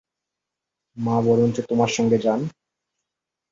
মা বরঞ্চ তোমার সঙ্গে যান।